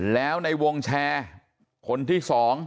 แล้วในวงแชร์คนที่๒